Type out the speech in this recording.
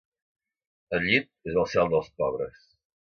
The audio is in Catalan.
El llit és el cel dels pobres.